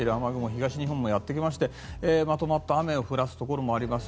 東日本までやってきましてまとまった雨を降らすところもあります。